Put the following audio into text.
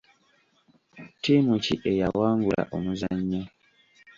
Ttiimu ki eyawangula omuzannyo?